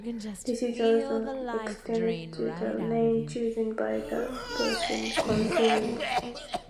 This is also extended to the name chosen by the person concerned.